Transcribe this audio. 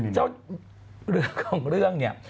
เรื่องของเรื่องเนี่ย